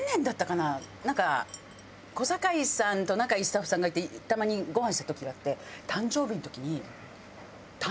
なんか小堺さんと仲いいスタッフさんがいてたまにごはんした時があって。